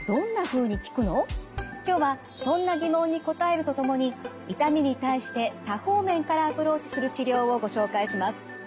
今日はそんな疑問に答えるとともに痛みに対して多方面からアプローチする治療をご紹介します。